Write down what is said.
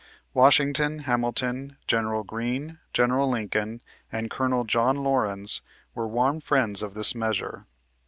Washington," Hamilton, General Greene, General Lincoln, and Colonel John Laurens were warm friends of this measure.